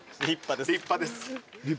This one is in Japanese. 立派です。